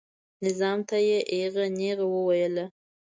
نظام ته یې ایغه نیغه وویله.